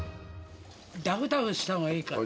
ダブダブした方がいいから。